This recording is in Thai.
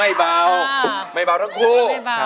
ไม่บ่าวไม่บ่าวทั้งคู่